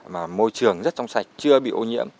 mà môi trường rất trong sạch chưa bị ô nhiễm